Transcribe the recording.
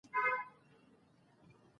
غه صنفونه، چي پښتوژبي له نورڅخه نه دي اخستي.